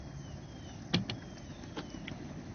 نن هغه سړی زما د قدرت له امله د خپل مرګ تمه لري.